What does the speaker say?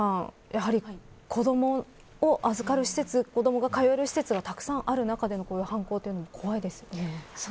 やはり、子どもを預かる施設子どもが通える施設がたくさんある中での犯行は怖いですね。